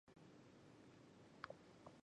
转向架构架采用钢板焊接箱型结构。